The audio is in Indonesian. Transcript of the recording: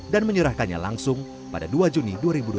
dan menyerahkannya langsung pada dua juni dua ribu dua puluh tiga